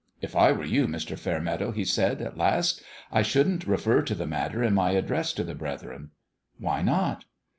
"If I were you, Mr. Fairmeadow," he said, at last, " I shouldn't refer to the matter in my address to the brethren." "Why not?"